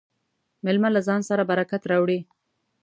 مېلمه له ځان سره برکت راوړي.